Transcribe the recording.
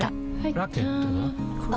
ラケットは？